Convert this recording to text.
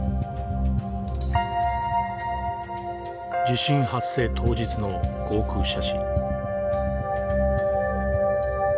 地震発生当日の航空写真。